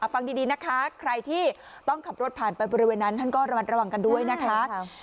ฟังดีนะคะใครที่ต้องขับรถผ่านไปบริเวณนั้นท่านก็ระมัดระวังกันด้วยนะคะ